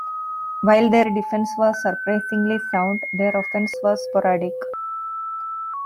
While their defense was surprisingly sound, their offense was sporadic.